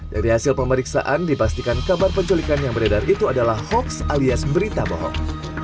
dari hasil pemeriksaan dipastikan kabar penculikan yang beredar itu adalah hoax alias berita bohong